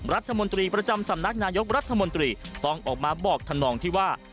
รัฐมนตรีประจำสำนักนายกรัฐมนตรีต้องออกมาบอกทำนองที่ว่า